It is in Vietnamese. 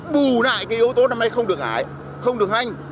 bù lại cái yếu tố năm nay không được hải không được hành